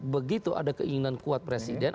begitu ada keinginan kuat presiden